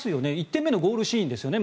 １点目のゴールシーンですね。